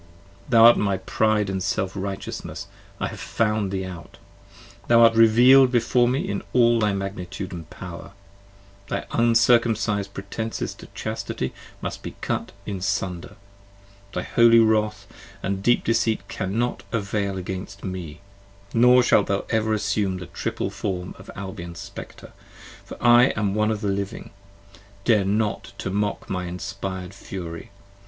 30 Thou art my Pride & Self righteousness: I have found thee out: Thou art reveal'd before me in all thy magnitude & power: Thy Uncircumcised pretences to Chastity must be cut in sunder: Thy holy wrath & deep deceit cannot avail against me, Nor shalt thou ever assume the triple form of Albion's Spectre, 35 For I am one of the living: dare not to mock my inspired fury.